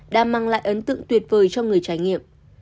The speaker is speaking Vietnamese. đã mang lại ấn tượng tuyệt vời cho người trải nghiệm